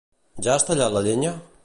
Ja has tallat la llenya?